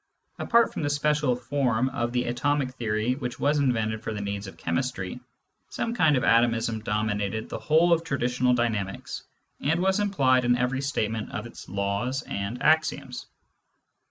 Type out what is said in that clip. Apart from the special form of the atomic theory which was invented for the needs of chem istry, some kind of atomism dominated the whole of traditional dynamics, and was implied in every statement of its laws and axioms.